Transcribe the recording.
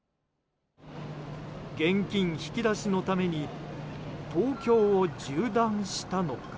現金引き出しのために東京を縦断したのか。